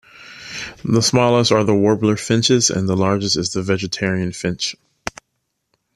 The smallest are the warbler-finches and the largest is the vegetarian finch.